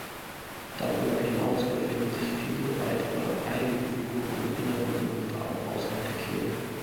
Darüber hinaus befinden sich viele weitere Heiligenfiguren im Inneren und auch außerhalb der Kirche.